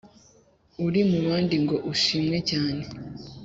uri mu bandi ngo ushimwe cyane